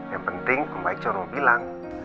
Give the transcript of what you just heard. yang penting om baik curung bilang